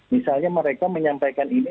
misalnya mereka menyampaikan ini